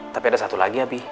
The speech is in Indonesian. tapi ada satu lagi habi